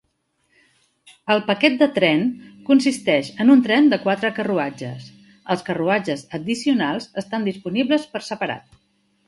El "paquet de tren" consisteix en un tren de quatre carruatges; els carruatges addicionals estan disponibles per separat.